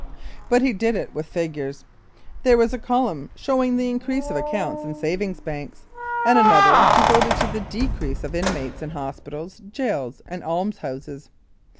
But he did it with figures. There was a column showing the increase of accounts in savings banks and another devoted to the decrease of inmates in hospitals, jails and almshouses.